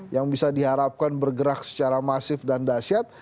yang bisa diharapkan bergerak secara masif dan dasyat